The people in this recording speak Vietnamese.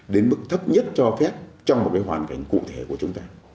đến mức thấp nhất cho phép trong một hoàn cảnh cụ thể của chúng ta